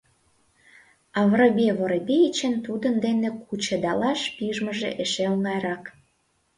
А Воробей Воробеичын тудын дене кучедалаш пижмыже эше оҥайрак.